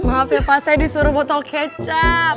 maaf ya pak saya disuruh botol kecap